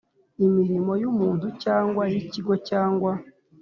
imirimo y umuntu cyangwa y ikigo cyangwa